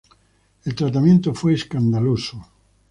El tratamiento fue escandaloso.